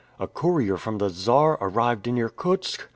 A courier from the Czar arrived in Irkutsk!